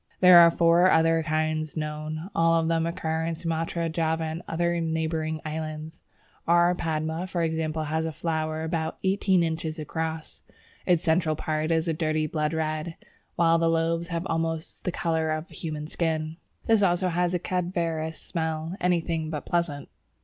There are four other kinds known: all of them occur in Sumatra, Java, and other neighbouring islands. R. Padma for example, has a flower about eighteen inches across. The central part is a dirty blood red, while the lobes have almost the colour of the human skin. This also has a "cadaverous smell, anything but pleasant."